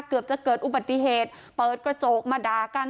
เกือบจะเกิดอุบัติเหตุเปิดกระจกมาด่ากัน